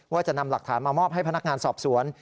ว่าจะนำหลักฐานมามอบให้พนักงานสอบสวน